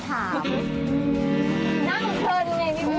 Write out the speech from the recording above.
ไป